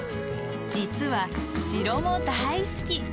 実は城も大好き。